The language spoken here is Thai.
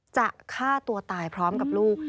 จะฆ่าตัวตายพร้อมกับลูก